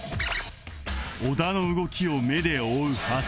小田の動きを目で追う橋本